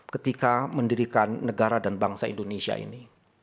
ketika mendirikan negara dan bangsa indonesia ini